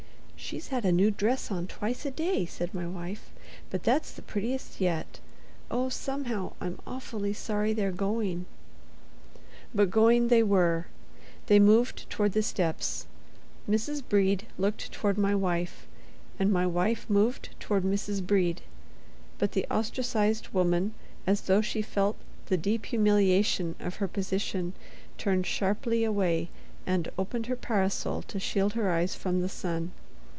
"She's had a new dress on twice a day," said my wife, "but that's the prettiest yet. Oh, somehow—I'm awfully sorry they're going!" But going they were. They moved toward the steps. Mrs. Brede looked toward my wife, and my wife moved toward Mrs. Brede. But the ostracized woman, as though she felt the deep humiliation of her position, turned sharply away, and opened her parasol to shield her eyes from the sun.